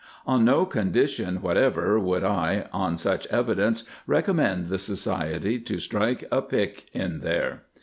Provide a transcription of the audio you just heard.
On no condition whatever would I, on such evidence, recommend the Society to strike a pick in there.